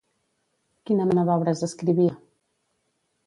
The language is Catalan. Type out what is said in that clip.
Quina mena d'obres escrivia?